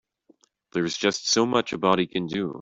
There's just so much a body can do.